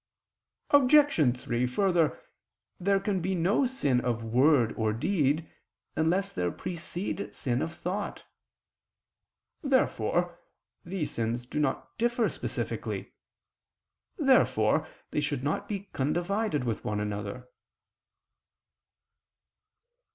Obj. 3: Further, there can be no sin of word or deed unless there precede sin of thought. Therefore these sins do not differ specifically. Therefore they should not be condivided with one another.